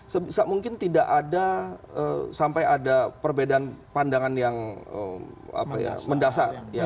sebisa mungkin tidak ada sampai ada perbedaan pandangan yang mendasar